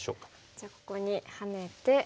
じゃあここにハネて。